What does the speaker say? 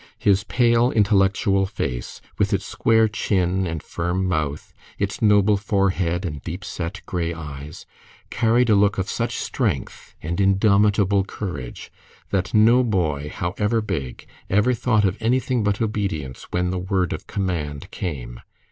His pale, intellectual face, with its square chin and firm mouth, its noble forehead and deep set gray eyes, carried a look of such strength and indomitable courage that no boy, however big, ever thought of anything but obedience when the word of command came.